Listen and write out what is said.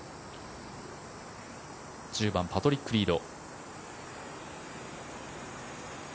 １０番パトリック・リード。